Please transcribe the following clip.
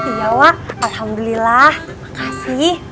iya wak alhamdulillah makasih